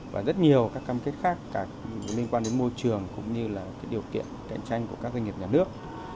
và rất nhiều các cam kết khác liên quan đến môi trường cũng như là điều kiện cạnh tranh của các doanh nghiệp nhà nước